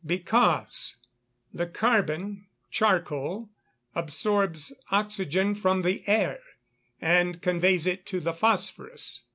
_ Because the carbon (charcoal) absorbs oxygen from the air, and conveys it to the phosphorous.